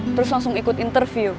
terus langsung ikut interview